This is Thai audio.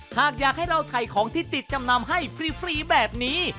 หากอยากให้เราถ่ายของที่ติดจำนำให้ฟรีแบบนี้